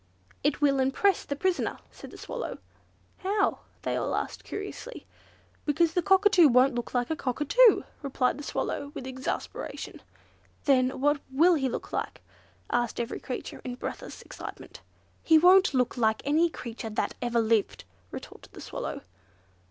"It will impress the prisoner," said the Swallow. "How?" they all asked curiously. "Because the Cockatoo won't look like a Cockatoo," replied the Swallow, with exasperation. "Then what will he look like?" asked every creature in breathless excitement. "He won't look like any creature that ever lived," retorted the Swallow.